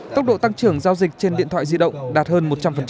tốc độ tăng trưởng giao dịch trên điện thoại di động đạt hơn một trăm linh